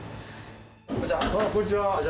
こんにちは。